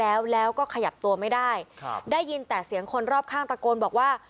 แล้วแล้วก็ขยับตัวไม่ได้ครับได้ยินแต่เสียงคนรอบข้างตะโกนบอกว่า